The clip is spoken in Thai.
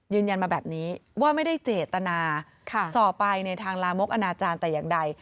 ยืนยันมาแบบนี้ว่าไม่ได้เจตนาส่อไปในทางลามกอนาจารย์แต่อย่างใด